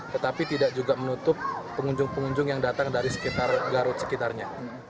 tetapi tidak juga menutup pengunjung pengunjung yang datang dari sekitar garut sekitarnya